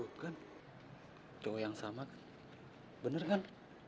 tuh kan cowok yang sama kan bener kan